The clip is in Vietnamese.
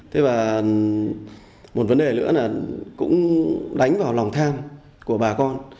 thế và một vấn đề nữa là cũng đánh vào lòng tham của bà con